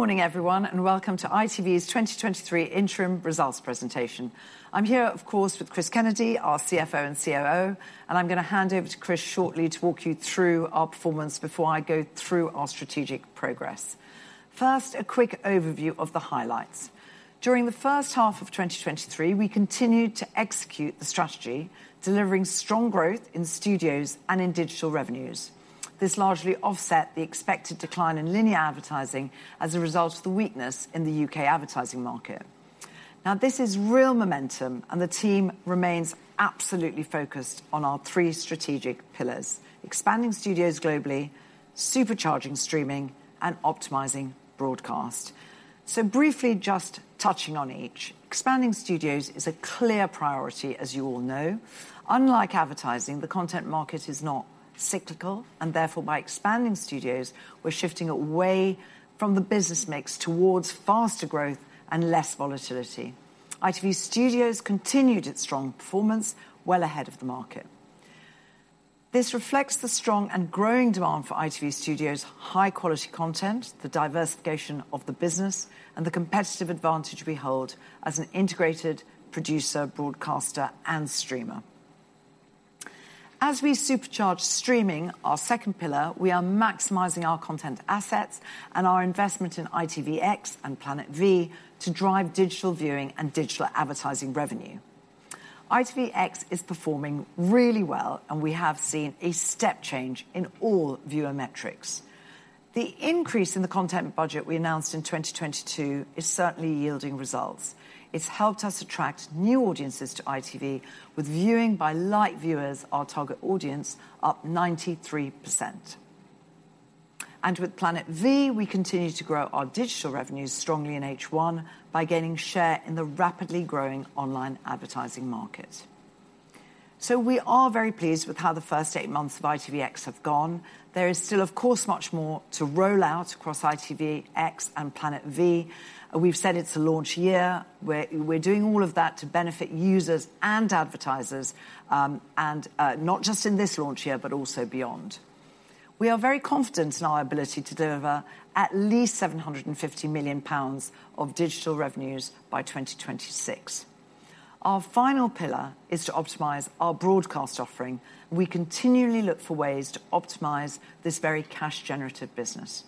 Good morning, everyone, welcome to ITV's 2023 interim results presentation. I'm here, of course, with Chris Kennedy, our CFO and COO. I'm gonna hand over to Chris shortly to walk you through our performance before I go through our strategic progress. First, a quick overview of the highlights. During the first half of 2023, we continued to execute the strategy, delivering strong growth in studios and in digital revenues. This largely offset the expected decline in linear advertising as a result of the weakness in the U.K. advertising market. This is real momentum. The team remains absolutely focused on our three strategic pillars: expanding studios globally, supercharging streaming, and optimizing broadcast. Briefly just touching on each. Expanding studios is a clear priority, as you all know. Unlike advertising, the content market is not cyclical, and therefore, by expanding studios, we're shifting away from the business mix towards faster growth and less volatility. ITV Studios continued its strong performance well ahead of the market. This reflects the strong and growing demand for ITV Studios' high-quality content, the diversification of the business, and the competitive advantage we hold as an integrated producer, broadcaster, and streamer. As we supercharge streaming, our second pillar, we are maximizing our content assets and our investment in ITVX and Planet V to drive digital viewing and digital advertising revenue. ITVX is performing really well, and we have seen a step change in all viewer metrics. The increase in the content budget we announced in 2022 is certainly yielding results. It's helped us attract new audiences to ITV, with viewing by light viewers, our target audience, up 93%. With Planet V, we continue to grow our digital revenues strongly in H1 by gaining share in the rapidly growing online advertising market. We are very pleased with how the first eight months of ITVX have gone. There is still, of course, much more to roll out across ITVX and Planet V. We've said it's a launch year, where we're doing all of that to benefit users and advertisers, and not just in this launch year, but also beyond. We are very confident in our ability to deliver at least 750 million pounds of digital revenues by 2026. Our final pillar is to optimize our broadcast offering. We continually look for ways to optimize this very cash-generative business.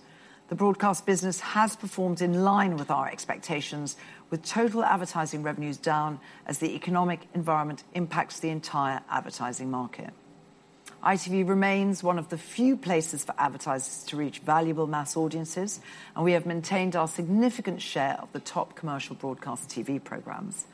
The broadcast business has performed in line with our expectations, with total advertising revenues down as the economic environment impacts the entire advertising market. ITV remains one of the few places for advertisers to reach valuable mass audiences. We have maintained our significant share of the top commercial broadcaster TV programs.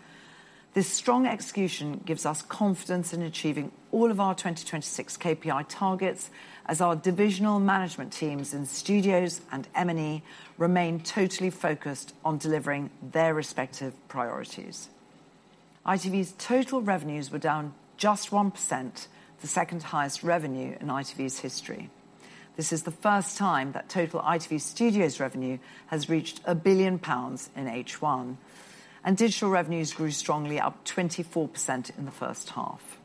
This strong execution gives us confidence in achieving all of our 2026 KPI targets, as our divisional management teams in studios and M&E remain totally focused on delivering their respective priorities. ITV's total revenues were down just 1%, the second highest revenue in ITV's history. This is the first time that total ITV Studios revenue has reached 1 billion pounds in H1. Digital revenues grew strongly, up 24% in the first half.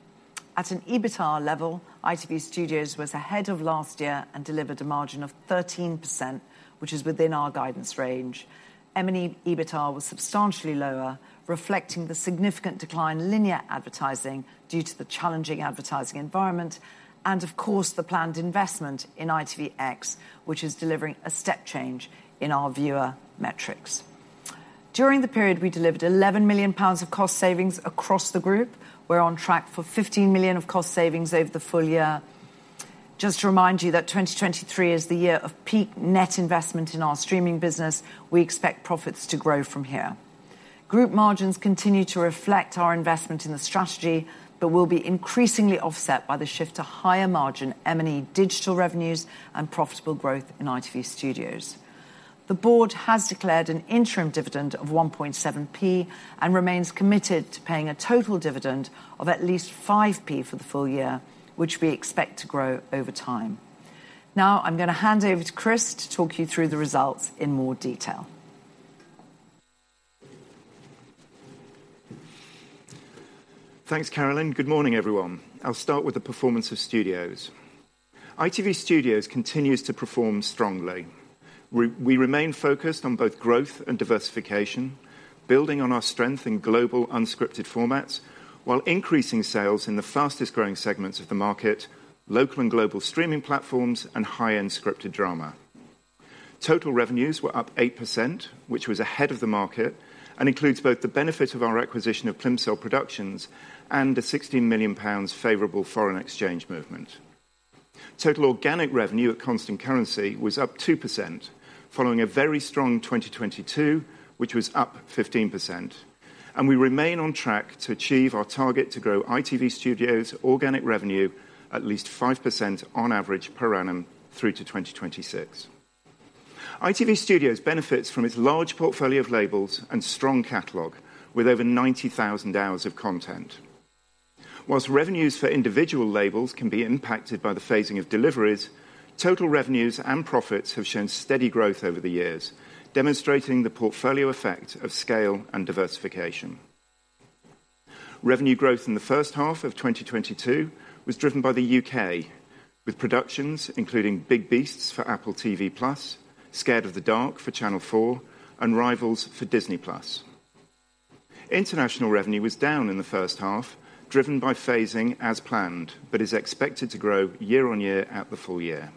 At an EBITDA level, ITV Studios was ahead of last year and delivered a margin of 13%, which is within our guidance range. M&E EBITDA was substantially lower, reflecting the significant decline in linear advertising due to the challenging advertising environment, and of course, the planned investment in ITVX, which is delivering a step change in our viewer metrics. During the period, we delivered GBP 11 million of cost savings across the group. We're on track for GBP 15 million of cost savings over the full year. Just to remind you that 2023 is the year of peak net investment in our streaming business. We expect profits to grow from here. Group margins continue to reflect our investment in the strategy, but will be increasingly offset by the shift to higher-margin M&E digital revenues and profitable growth in ITV Studios. The board has declared an interim dividend of 1.7 and remains committed to paying a total dividend of at least 5 for the full year, which we expect to grow over time. I'm gonna hand over to Chris to talk you through the results in more detail. Thanks, Carolyn. Good morning, everyone. I'll start with the performance of Studios. ITV Studios continues to perform strongly. We remain focused on both growth and diversification, building on our strength in global unscripted formats, while increasing sales in the fastest-growing segments of the market, local and global streaming platforms, and high-end scripted drama. Total revenues were up 8%, which was ahead of the market, and includes both the benefit of our acquisition of Plimsoll Productions and a 16 million pounds favorable foreign exchange movement. Total organic revenue at constant currency was up 2%, following a very strong 2022, which was up 15%, and we remain on track to achieve our target to grow ITV Studios' organic revenue at least 5% on average per annum through to 2026. ITV Studios benefits from its large portfolio of labels and strong catalog, with over 90,000 hours of content. Whilst revenues for individual labels can be impacted by the phasing of deliveries, total revenues and profits have shown steady growth over the years, demonstrating the portfolio effect of scale and diversification. Revenue growth in the first half of 2022 was driven by the U.K., with productions including Big Beasts for Apple TV+, Scared of the Dark for Channel 4, and Rivals for Disney+. International revenue was down in the first half, driven by phasing as planned, but is expected to grow year-on-year at the full year.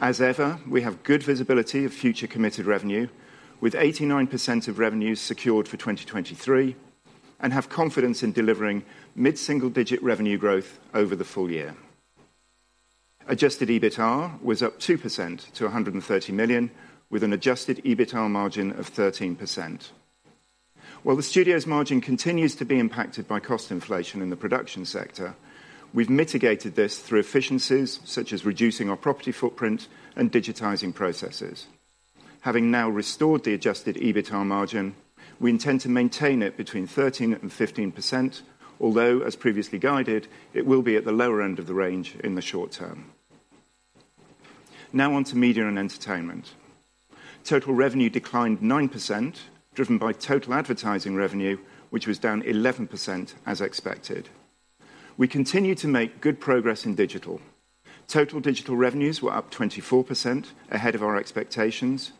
As ever, we have good visibility of future committed revenue, with 89% of revenue secured for 2023, and have confidence in delivering mid-single-digit revenue growth over the full year. Adjusted EBITDA was up 2% to 130 million, with an adjusted EBITDA margin of 13%. While the Studio's margin continues to be impacted by cost inflation in the production sector, we've mitigated this through efficiencies, such as reducing our property footprint and digitizing processes. Having now restored the adjusted EBITDA margin, we intend to maintain it between 13%-15%, although, as previously guided, it will be at the lower end of the range in the short term. Now on to media and entertainment. Total revenue declined 9%, driven by total advertising revenue, which was down 11% as expected. We continue to make good progress in digital. Total digital revenues were up 24%, ahead of our expectations.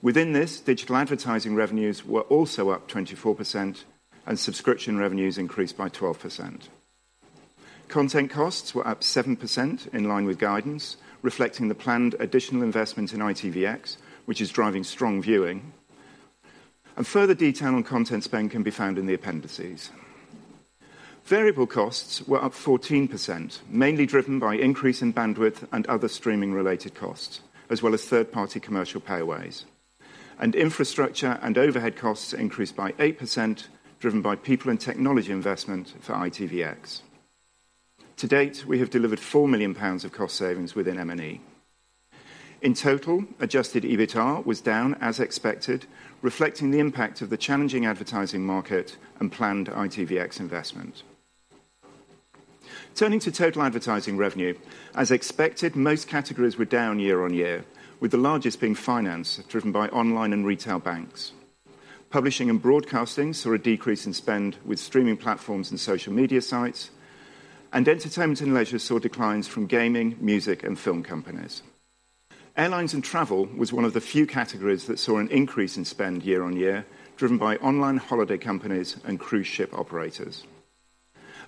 Within this, digital advertising revenues were also up 24%, and subscription revenues increased by 12%. Content costs were up 7% in line with guidance, reflecting the planned additional investment in ITVX, which is driving strong viewing. Further detail on content spend can be found in the appendices. Variable costs were up 14%, mainly driven by increase in bandwidth and other streaming-related costs, as well as third-party commercial payaways. Infrastructure and overhead costs increased by 8%, driven by people and technology investment for ITVX. To date, we have delivered 4 million pounds of cost savings within M&E. In total, adjusted EBITDA was down as expected, reflecting the impact of the challenging advertising market and planned ITVX investment. Turning to total advertising revenue, as expected, most categories were down year on year, with the largest being finance, driven by online and retail banks. Publishing and broadcasting saw a decrease in spend with streaming platforms and social media sites, and entertainment and leisure saw declines from gaming, music, and film companies. Airlines and travel was one of the few categories that saw an increase in spend year on year, driven by online holiday companies and cruise ship operators.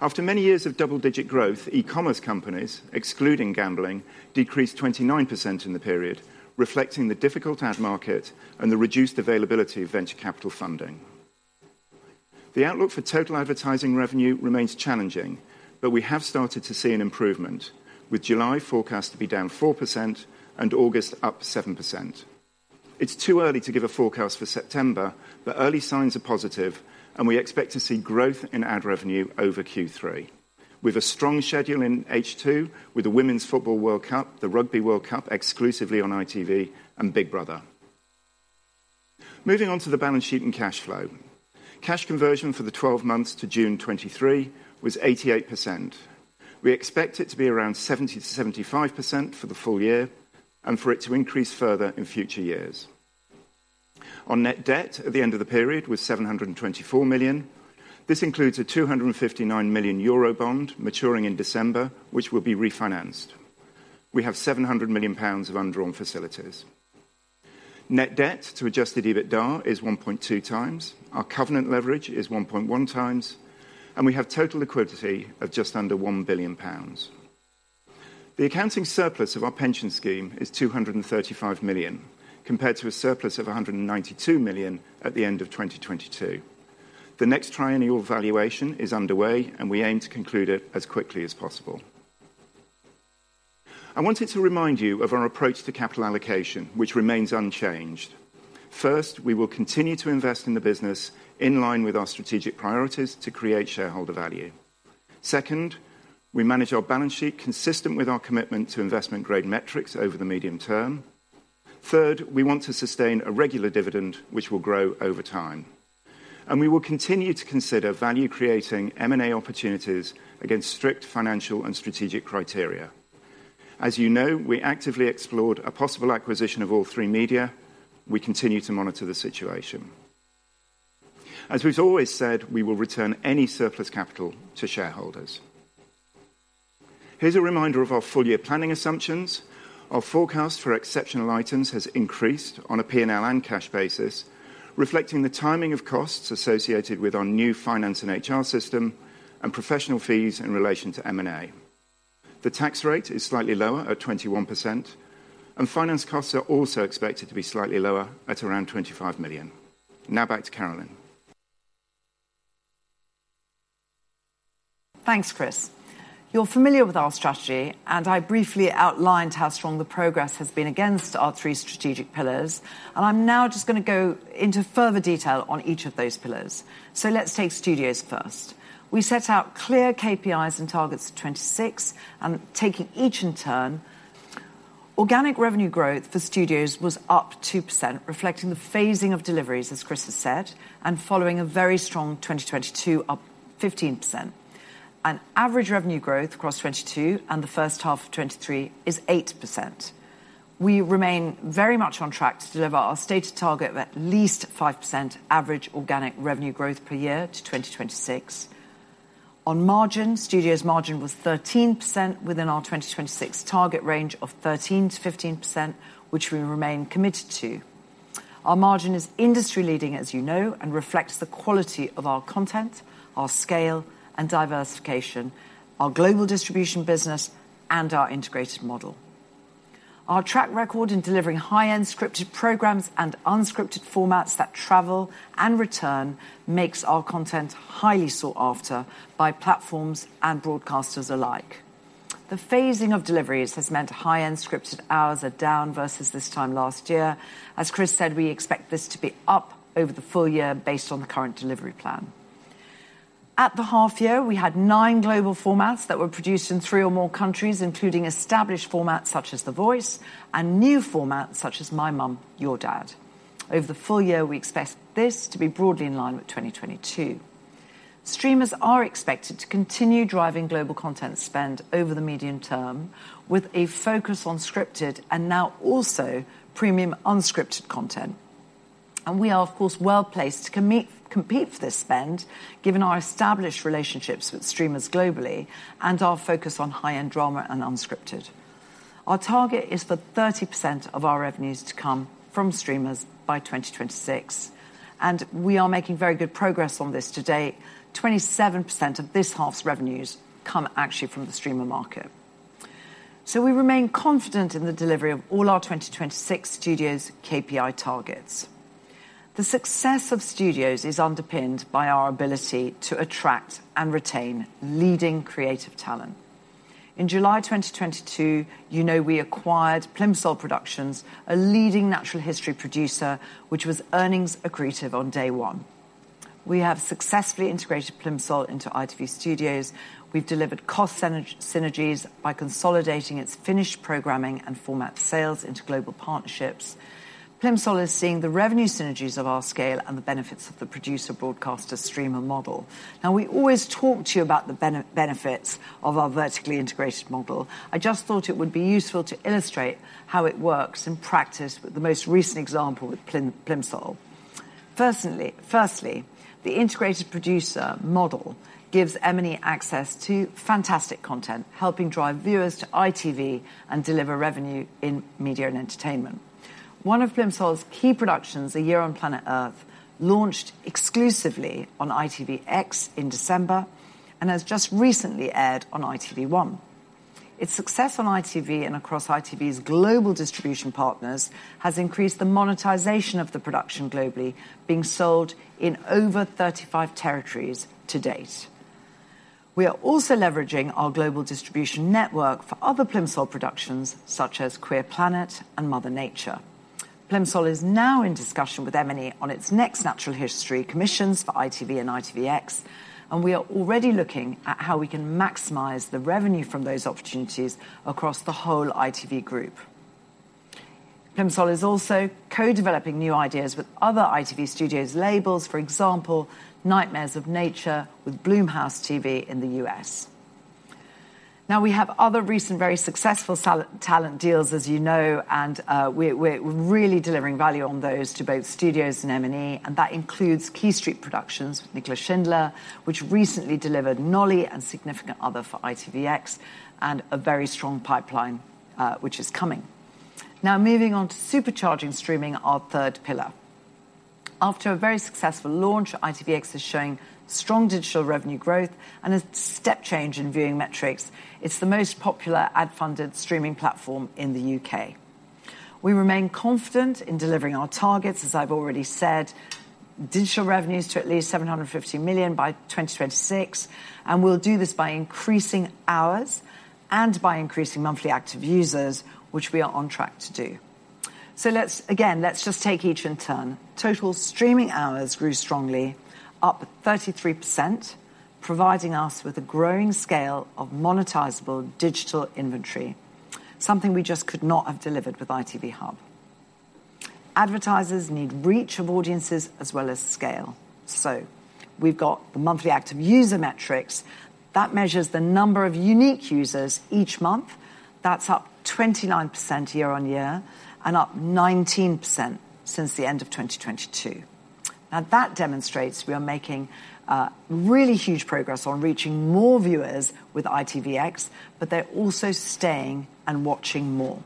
After many years of double-digit growth, e-commerce companies, excluding gambling, decreased 29% in the period, reflecting the difficult ad market and the reduced availability of venture capital funding. The outlook for total advertising revenue remains challenging. We have started to see an improvement, with July forecast to be down 4% and August up 7%. It's too early to give a forecast for September, but early signs are positive, and we expect to see growth in ad revenue over Q3, with a strong schedule in H2, with the Women's Football World Cup, the Rugby World Cup exclusively on ITV, and Big Brother. Moving on to the balance sheet and cash flow. Cash conversion for the 12 months to June 2023 was 88%. We expect it to be around 70%-75% for the full year and for it to increase further in future years. Net debt at the end of the period was 724 million. This includes a 259 million euro bond maturing in December, which will be refinanced. We have 700 million pounds of undrawn facilities. Net debt to adjusted EBITDA is 1.2x. Our covenant leverage is 1.1x, and we have total equity of just under 1 billion pounds. The accounting surplus of our pension scheme is 235 million, compared to a surplus of 192 million at the end of 2022. The next triennial valuation is underway, and we aim to conclude it as quickly as possible. I wanted to remind you of our approach to capital allocation, which remains unchanged. First, we will continue to invest in the business in line with our strategic priorities to create shareholder value. Second, we manage our balance sheet consistent with our commitment to investment-grade metrics over the medium term. Third, we want to sustain a regular dividend, which will grow over time. We will continue to consider value-creating M&A opportunities against strict financial and strategic criteria. As you know, we actively explored a possible acquisition of All3Media. We continue to monitor the situation. As we've always said, we will return any surplus capital to shareholders. Here's a reminder of our full-year planning assumptions. Our forecast for exceptional items has increased on a P&L and cash basis, reflecting the timing of costs associated with our new finance and HR system and professional fees in relation to M&A. The tax rate is slightly lower at 21%, and finance costs are also expected to be slightly lower at around 25 million. Now back to Carolyn. Thanks, Chris. You're familiar with our strategy, I briefly outlined how strong the progress has been against our three strategic pillars, I'm now just going to go into further detail on each of those pillars. Let's take Studios first. We set out clear KPIs and targets at 2026, taking each in turn. Organic revenue growth for Studios was up 2%, reflecting the phasing of deliveries, as Chris has said, following a very strong 2022, up 15%. An average revenue growth across 2022 and the first half of 2023 is 8%. We remain very much on track to deliver our stated target of at least 5% average organic revenue growth per year to 2026. On margin, Studio's margin was 13% within our 2026 target range of 13%-15%, which we remain committed to. Our margin is industry leading, as you know, and reflects the quality of our content, our scale and diversification, our global distribution business, and our integrated model. Our track record in delivering high-end scripted programs and unscripted formats that travel and return, makes our content highly sought after by platforms and broadcasters alike. The phasing of deliveries has meant high-end scripted hours are down versus this time last year. As Chris said, we expect this to be up over the full year based on the current delivery plan. At the half year, we had nine global formats that were produced in three or more countries, including established formats such as The Voice, and new formats such as My Mum, Your Dad. Over the full year, we expect this to be broadly in line with 2022. Streamers are expected to continue driving global content spend over the medium term, with a focus on scripted and now also premium unscripted content. We are, of course, well-placed to compete for this spend, given our established relationships with streamers globally and our focus on high-end drama and unscripted. Our target is for 30% of our revenues to come from streamers by 2026, and we are making very good progress on this. To date, 27% of this half's revenues come actually from the streamer market. We remain confident in the delivery of all our 2026 Studios' KPI targets. The success of Studios is underpinned by our ability to attract and retain leading creative talent. In July 2022, you know, we acquired Plimsoll Productions, a leading natural history producer, which was earnings accretive on day one. We have successfully integrated Plimsoll into ITV Studios. We've delivered cost synergies by consolidating its finished programming and format sales into global partnerships. Plimsoll is seeing the revenue synergies of our scale and the benefits of the producer broadcaster-streamer model. We always talk to you about the benefits of our vertically integrated model. I just thought it would be useful to illustrate how it works in practice, with the most recent example with Plimsoll. Firstly, the integrated producer model gives M&E access to fantastic content, helping drive viewers to ITV and deliver revenue in media and entertainment. One of Plimsoll's key productions, A Year on Planet Earth, launched exclusively on ITVX in December and has just recently aired on ITV1. Its success on ITV and across ITV's global distribution partners has increased the monetization of the production globally, being sold in over 35 territories to date. We are also leveraging our global distribution network for other Plimsoll productions such as Queer Planet and Mother Nature. Plimsoll is now in discussion with M&E on its next natural history commissions for ITV and ITVX. We are already looking at how we can maximize the revenue from those opportunities across the whole ITV group. Plimsoll is also co-developing new ideas with other ITV Studios labels. For example, Nightmares of Nature with Blumhouse TV in the U.S. We have other recent very successful talent deals, as you know, we're really delivering value on those to both studios and M&E, that includes Quay Street Productions with Nicola Shindler, which recently delivered Nolly and Significant Other for ITVX, a very strong pipeline which is coming. Moving on to supercharging streaming, our third pillar. After a very successful launch, ITVX is showing strong digital revenue growth and a step change in viewing metrics. It's the most popular ad-funded streaming platform in the U.K. We remain confident in delivering our targets, as I've already said, digital revenues to at least 750 million by 2026, we'll do this by increasing hours and by increasing monthly active users, which we are on track to do. Again, let's just take each in turn. Total streaming hours grew strongly, up 33%, providing us with a growing scale of monetizable digital inventory, something we just could not have delivered with ITV Hub. Advertisers need reach of audiences as well as scale. We've got the monthly active user metrics. That measures the number of unique users each month. That's up 29% year on year and up 19% since the end of 2022. That demonstrates we are making really huge progress on reaching more viewers with ITVX, but they're also staying and watching more.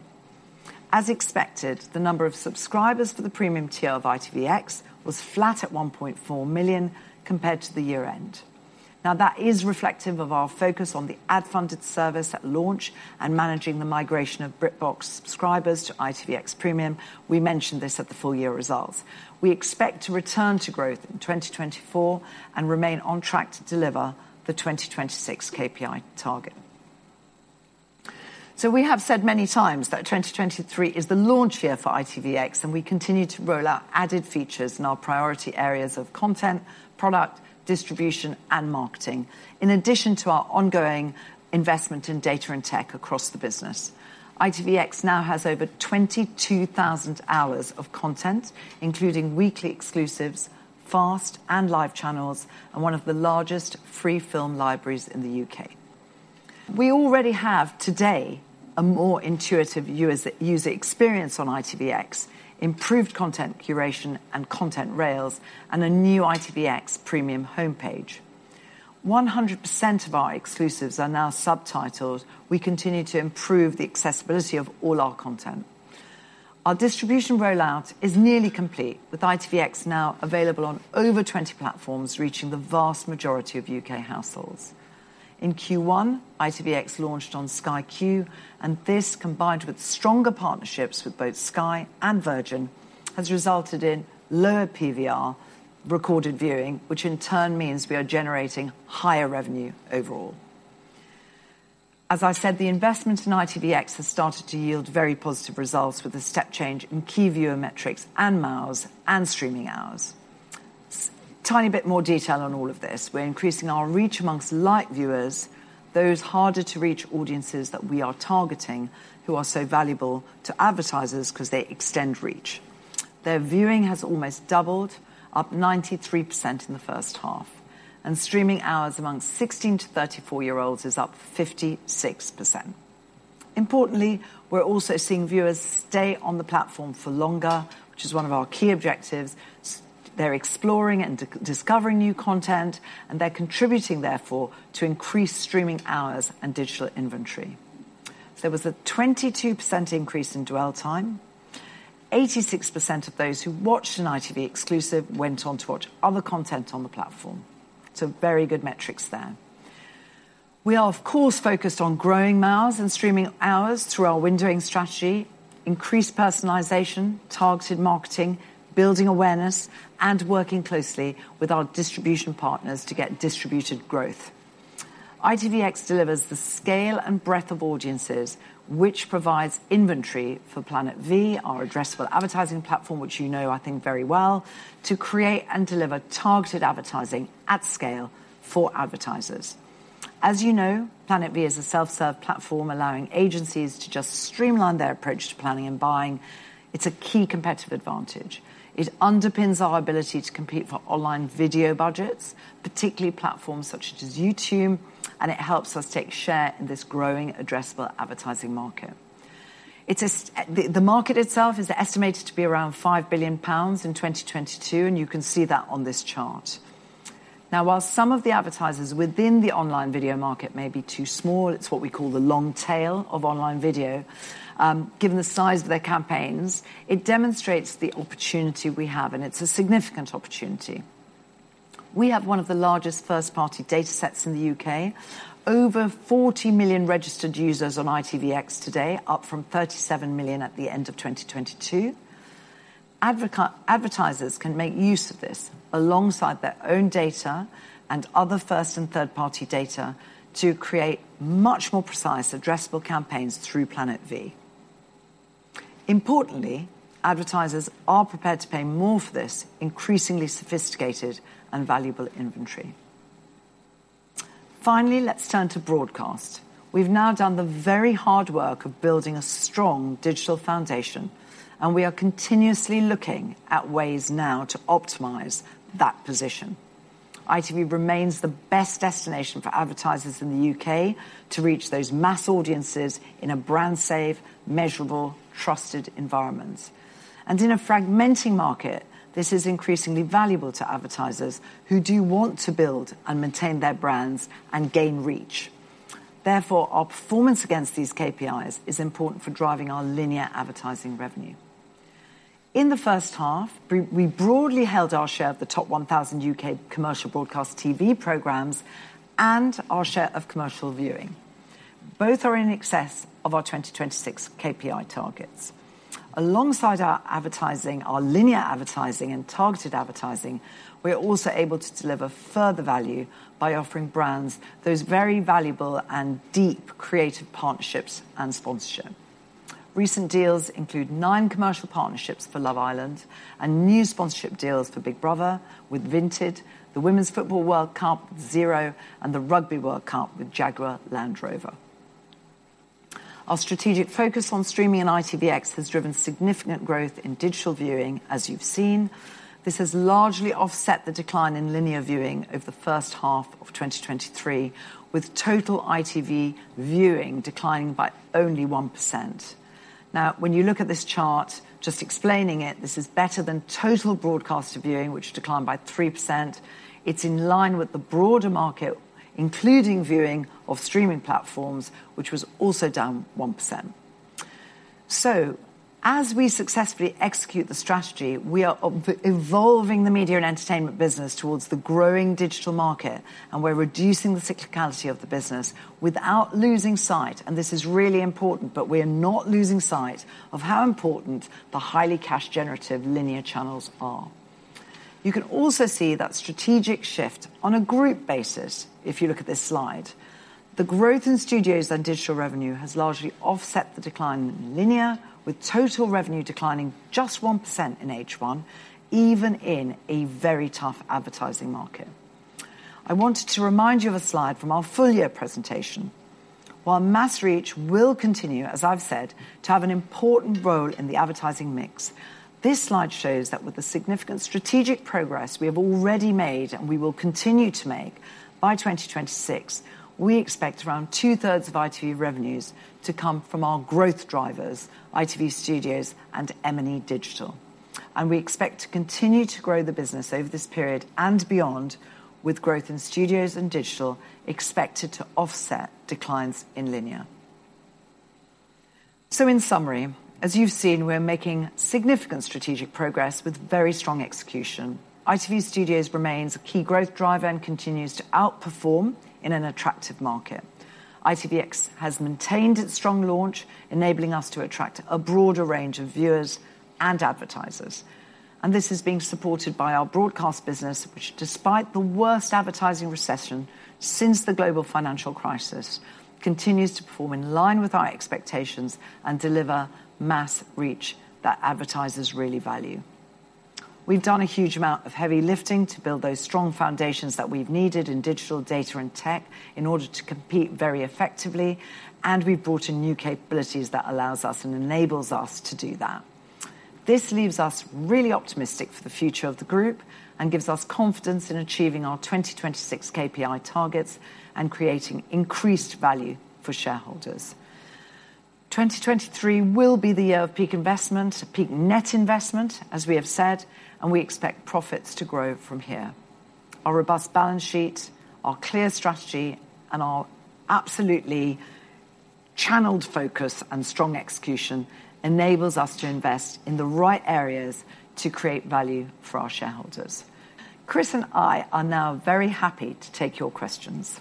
As expected, the number of subscribers for the premium tier of ITVX was flat at 1.4 million compared to the year-end. That is reflective of our focus on the ad-funded service at launch and managing the migration of BritBox subscribers to ITVX Premium. We mentioned this at the full year results. We expect to return to growth in 2024 and remain on track to deliver the 2026 KPI target. We have said many times that 2023 is the launch year for ITVX, and we continue to roll out added features in our priority areas of content, product, distribution, and marketing. In addition to our ongoing investment in data and tech across the business, ITVX now has over 22,000 hours of content, including weekly exclusives, fast and live channels, and one of the largest free film libraries in the U.K. We already have today, a more intuitive user experience on ITVX, improved content curation and content rails, and a new ITVX Premium homepage. 100% of our exclusives are now subtitled. We continue to improve the accessibility of all our content. Our distribution rollout is nearly complete, with ITVX now available on over 20 platforms, reaching the vast majority of U.K. households. In Q1, ITVX launched on Sky Q. This, combined with stronger partnerships with both Sky and Virgin, has resulted in lower PVR recorded viewing, which in turn means we are generating higher revenue overall. As I said, the investment in ITVX has started to yield very positive results, with a step change in key viewer metrics and miles and streaming hours. Tiny bit more detail on all of this. We're increasing our reach amongst light viewers, those harder to reach audiences that we are targeting, who are so valuable to advertisers because they extend reach. Their viewing has almost doubled, up 93% in the first half. Streaming hours amongst 16 to 34-year-olds is up 56%. Importantly, we're also seeing viewers stay on the platform for longer, which is one of our key objectives. They're exploring and discovering new content, and they're contributing, therefore, to increased streaming hours and digital inventory. There was a 22% increase in dwell time. 86% of those who watched an ITV exclusive went on to watch other content on the platform. Very good metrics there. We are, of course, focused on growing miles and streaming hours through our windowing strategy, increased personalization, targeted marketing, building awareness, and working closely with our distribution partners to get distributed growth. ITVX delivers the scale and breadth of audiences, which provides inventory for Planet V, our addressable advertising platform, which you know, I think very well, to create and deliver targeted advertising at scale for advertisers. As you know, Planet V is a self-serve platform, allowing agencies to just streamline their approach to planning and buying. It's a key competitive advantage. It underpins our ability to compete for online video budgets, particularly platforms such as YouTube, and it helps us take share in this growing addressable advertising market. The market itself is estimated to be around 5 billion pounds in 2022, and you can see that on this chart. Now, while some of the advertisers within the online video market may be too small, it's what we call the long tail of online video, given the size of their campaigns, it demonstrates the opportunity we have, and it's a significant opportunity. We have one of the largest first-party data sets in the U.K. Over 40 million registered users on ITVX today, up from 37 million at the end of 2022. Advertisers can make use of this alongside their own data and other first and third-party data to create much more precise addressable campaigns through Planet V. Advertisers are prepared to pay more for this increasingly sophisticated and valuable inventory. Let's turn to broadcast. We've now done the very hard work of building a strong digital foundation, and we are continuously looking at ways now to optimize that position. ITV remains the best destination for advertisers in the U.K. to reach those mass audiences in a brand safe, measurable, trusted environment. In a fragmenting market, this is increasingly valuable to advertisers who do want to build and maintain their brands and gain reach. Our performance against these KPIs is important for driving our linear advertising revenue. In the first half, we broadly held our share of the top 1,000 U.K. commercial broadcast TV programs and our share of commercial viewing. Both are in excess of our 2026 KPI targets. Alongside our advertising, our linear advertising and targeted advertising, we are also able to deliver further value by offering brands those very valuable and deep creative partnerships and sponsorship. Recent deals include nine commercial partnerships for Love Island and new sponsorship deals for Big Brother with Vinted, the Women's Football World Cup, Xero, and the Rugby World Cup with Jaguar Land Rover. Our strategic focus on streaming and ITVX has driven significant growth in digital viewing, as you've seen. This has largely offset the decline in linear viewing over the first half of 2023, with total ITV viewing declining by only 1%. When you look at this chart, just explaining it, this is better than total broadcaster viewing, which declined by 3%. It's in line with the broader market, including viewing of streaming platforms, which was also down 1%. As we successfully execute the strategy, we are evolving the media and entertainment business towards the growing digital market, and we're reducing the cyclicality of the business without losing sight, and this is really important, but we're not losing sight of how important the highly cash-generative linear channels are. You can also see that strategic shift on a group basis if you look at this slide. The growth in Studios and digital revenue has largely offset the decline in linear, with total revenue declining just 1% in H1, even in a very tough advertising market. I wanted to remind you of a slide from our full year presentation. While mass reach will continue, as I've said, to have an important role in the advertising mix, this slide shows that with the significant strategic progress we have already made, and we will continue to make, by 2026, we expect around two-thirds of ITV revenues to come from our growth drivers, ITV Studios and M&E Digital. We expect to continue to grow the business over this period and beyond, with growth in Studios and Digital expected to offset declines in linear. In summary, as you've seen, we're making significant strategic progress with very strong execution. ITV Studios remains a key growth driver and continues to outperform in an attractive market. ITVX has maintained its strong launch, enabling us to attract a broader range of viewers and advertisers. This is being supported by our broadcast business, which despite the worst advertising recession since the global financial crisis, continues to perform in line with our expectations and deliver mass reach that advertisers really value. We've done a huge amount of heavy lifting to build those strong foundations that we've needed in digital data and tech in order to compete very effectively. We've brought in new capabilities that allows us and enables us to do that. This leaves us really optimistic for the future of the group and gives us confidence in achieving our 2026 KPI targets and creating increased value for shareholders. 2023 will be the year of peak investment, peak net investment, as we have said. We expect profits to grow from here. Our robust balance sheet, our clear strategy, and our absolutely channeled focus and strong execution enables us to invest in the right areas to create value for our shareholders. Chris and I are now very happy to take your questions.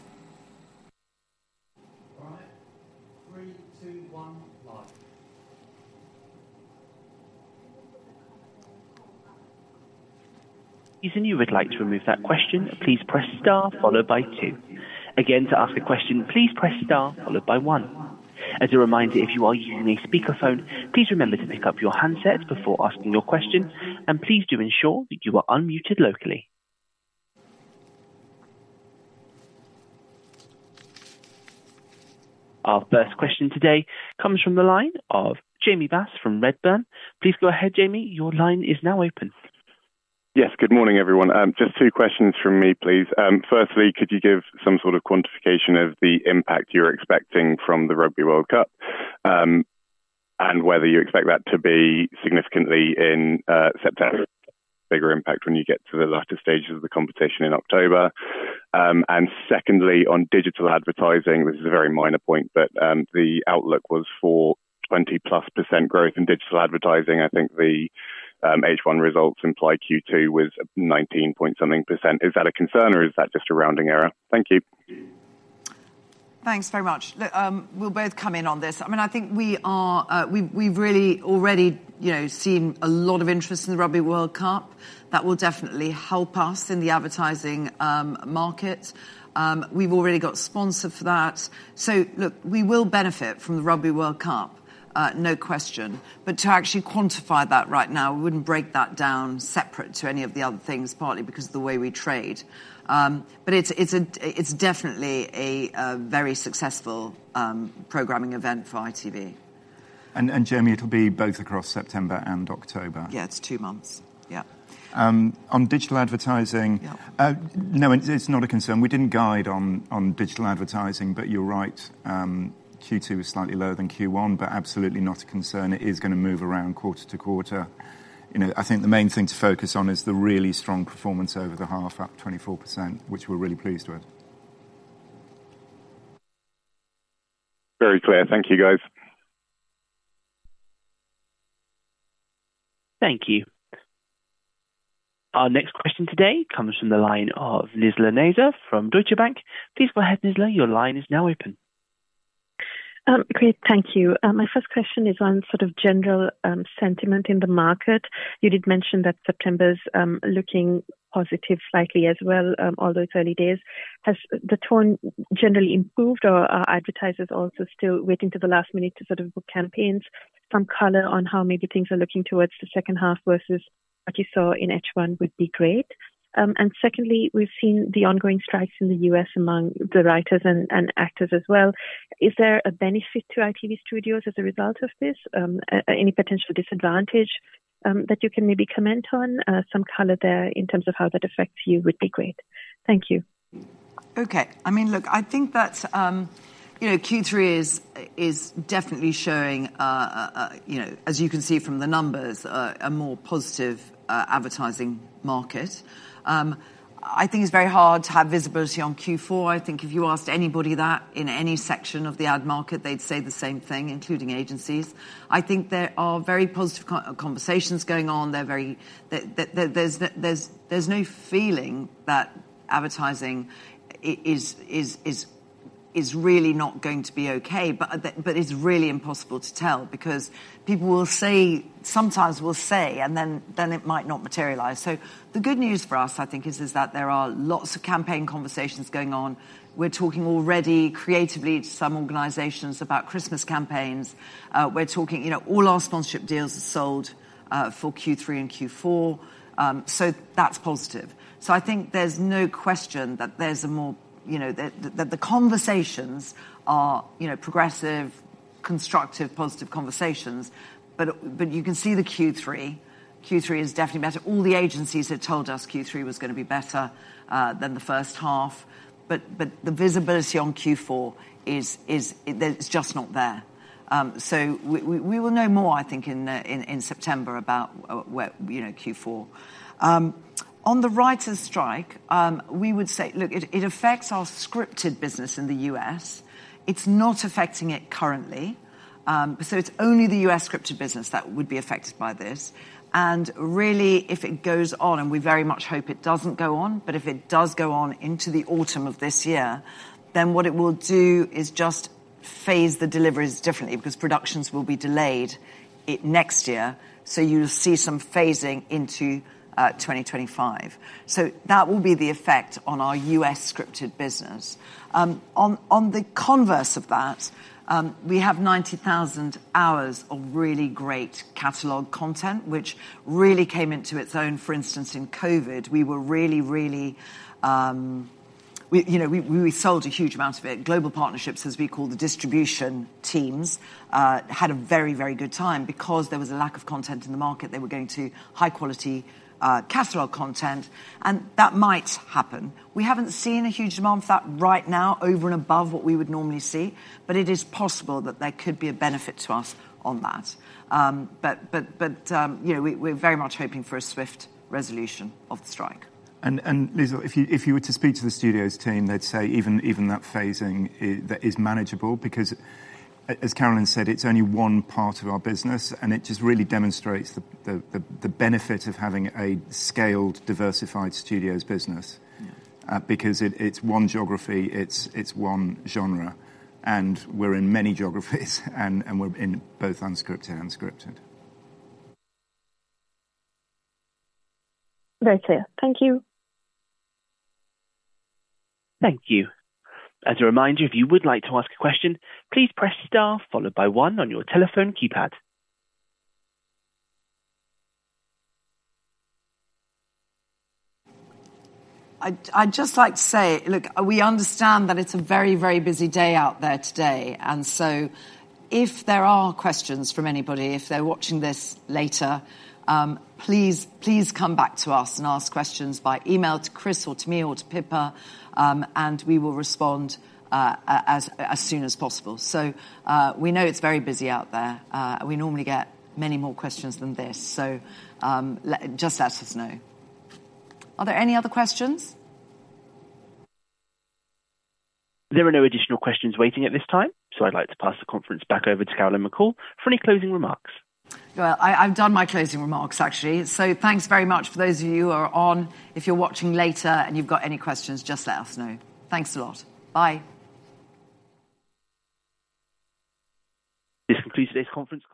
If you would like to remove that question, please press star followed by two. Again, to ask a question, please press star followed by one. As a reminder, if you are using a speakerphone, please remember to pick up your handset before asking your question, and please do ensure that you are unmuted locally. Our first question today comes from the line of Jamie Bass from Redburn. Please go ahead, Jamie, your line is now open. Yes, good morning, everyone. Just two questions from me, please. Firstly, could you give some sort of quantification of the impact you're expecting from the Rugby World Cup? Whether you expect that to be significantly in September, bigger impact when you get to the latter stages of the competition in October. Secondly, on digital advertising, this is a very minor point, but the outlook was for 20+% growth in digital advertising. I think the H1 results imply Q2 was 19-point-something%. Is that a concern or is that just a rounding error? Thank you. Thanks very much. Look, we'll both come in on this. I mean, I think we are, we've really already, you know, seen a lot of interest in the Rugby World Cup. That will definitely help us in the advertising market. We've already got sponsor for that. Look, we will benefit from the Rugby World Cup, no question. To actually quantify that right now, we wouldn't break that down separate to any of the other things, partly because of the way we trade. It's definitely a very successful programming event for ITV. Jamie, it'll be both across September and October. Yeah, it's two months. Yeah. On digital advertising- Yeah. No, it's not a concern. We didn't guide on digital advertising, you're right. Q2 is slightly lower than Q1, absolutely not a concern. It is going to move around quarter to quarter. You know, I think the main thing to focus on is the really strong performance over the half, up 24%, which we're really pleased with. Very clear. Thank you, guys. Thank you. Our next question today comes from the line of Nizla Naizer from Deutsche Bank. Please go ahead, Nizla, your line is now open. Great, thank you. My first question is on sort of general sentiment in the market. You did mention that September's looking positive slightly as well, although it's early days. Has the tone generally improved, or are advertisers also still waiting to the last minute to sort of book campaigns? Some color on how maybe things are looking towards the second half versus what you saw in H1 would be great. Secondly, we've seen the ongoing strikes in the U.S. among the writers and actors as well. Is there a benefit to ITV Studios as a result of this? Any potential disadvantage that you can maybe comment on? Some color there in terms of how that affects you would be great. Thank you. Okay. I mean, look, I think that, you know, Q3 is definitely showing, as you can see from the numbers, a more positive advertising market. I think it's very hard to have visibility on Q4. I think if you asked anybody that in any section of the ad market, they'd say the same thing, including agencies. I think there are very positive conversations going on. There's no feeling that advertising is really not going to be okay, but it's really impossible to tell because people will say, sometimes will say, and then it might not materialize. The good news for us, I think, is that there are lots of campaign conversations going on. We're talking already creatively to some organizations about Christmas campaigns. We're talking, you know, all our sponsorship deals are sold for Q3 and Q4, that's positive. I think there's no question that there's a more, you know, the conversations are, you know, progressive constructive, positive conversations, but you can see the Q3 is definitely better. All the agencies had told us Q3 was gonna be better than the first half, but the visibility on Q4, it's just not there. We will know more, I think, in September about where, you know, Q4. On the writers' strike, we would say Look, it affects our scripted business in the U.S. It's not affecting it currently. It's only the U.S. scripted business that would be affected by this. Really, if it goes on, and we very much hope it doesn't go on, but if it does go on into the autumn of this year, then what it will do is just phase the deliveries differently, because productions will be delayed next year, so you'll see some phasing into 2025. That will be the effect on our U.S. scripted business. On the converse of that, we have 90,000 hours of really great catalog content, which really came into its own, for instance, in COVID. We, you know, we sold a huge amount of it. Global Partnerships, as we call the distribution teams, had a very good time because there was a lack of content in the market. They were going to high quality catalog content, and that might happen. We haven't seen a huge amount of that right now over and above what we would normally see, but it is possible that there could be a benefit to us on that. You know, we're very much hoping for a swift resolution of the strike. Nizla, if you were to speak to the Studios team, they'd say even that phasing that is manageable, because as Carolyn said, it's only one part of our business, and it just really demonstrates the benefit of having a scaled, diversified Studios business. Because it's one geography, it's one genre, and we're in many geographies, and we're in both unscripted and scripted. Very clear. Thank you. Thank you. As a reminder, if you would like to ask a question, please press star followed by one on your telephone keypad. I'd just like to say, look, we understand that it's a very, very busy day out there today. If there are questions from anybody, if they're watching this later, please come back to us and ask questions by email to Chris or to me or to Pippa. We will respond as soon as possible. We know it's very busy out there. We normally get many more questions than this, just let us know. Are there any other questions? There are no additional questions waiting at this time, so I'd like to pass the conference back over to Carolyn McCall for any closing remarks. Well, I've done my closing remarks, actually. Thanks very much for those of you who are on. If you're watching later and you've got any questions, just let us know. Thanks a lot. Bye. This concludes today's conference call.